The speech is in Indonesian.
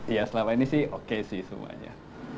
ya selama ini sih oke sih semuanya